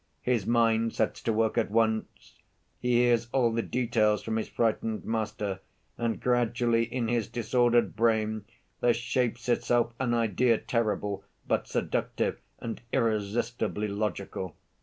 His mind sets to work at once. He hears all the details from his frightened master, and gradually in his disordered brain there shapes itself an idea—terrible, but seductive and irresistibly logical.